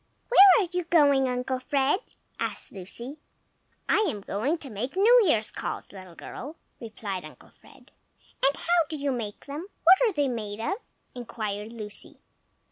"WHERE are you going, Uncle Fred?" asked Lucy. "I am going to make New Year's calls, little girl," replied Uncle Fred. "And how do you make them? What are they made of?" inquired Lucy.